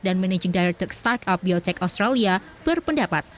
dan managing director startup biotech australia berpendapat